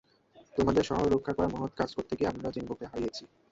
তোমাদের শহর রক্ষা করার মহৎ কাজ করতে গিয়ে আমরা জিম্বোকে হারিয়েছি।